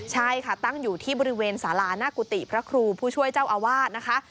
ใช่ค่ะตั้งอยู่ที่บริเวณสาราหน้ากุฏิพระครูผู้ช่วยเจ้าอาวาสนะคะ